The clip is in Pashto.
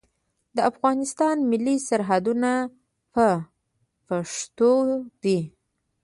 د افغانستان ملي سرود په پښتو دی